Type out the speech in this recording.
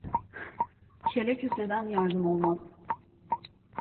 Kele köseden yardım olmaz.